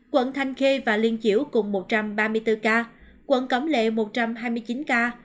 quận thanh khê và liên chiểu cùng một trăm ba mươi bốn ca quận cấm lệ một trăm hai mươi chín ca